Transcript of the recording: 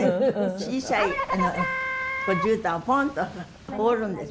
小さいじゅうたんをポンと放るんです。